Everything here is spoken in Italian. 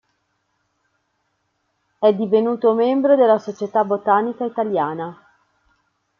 È divenuto membro della Società Botanica Italiana.